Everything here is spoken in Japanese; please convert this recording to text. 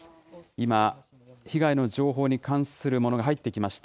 今、被害の情報に関するものが入ってきました。